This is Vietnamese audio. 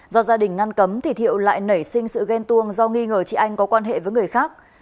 do gia đình ngăn cấm thì thiệu lại nảy sinh sự ghen tuông do nghi ngờ chị anh có quan hệ với người khác